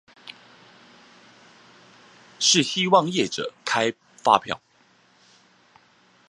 是希望業者開發票